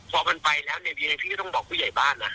พอมันไปแล้วเดี๋ยวพี่ก็ต้องบอกผู้ใหญ่บ้าน